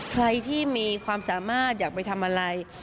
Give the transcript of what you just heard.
ใครที่มีความสามารถอยากไปทำอะไร